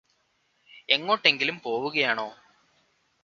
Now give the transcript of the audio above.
എങ്ങോട്ടെങ്കിലും പോവുകയാണോ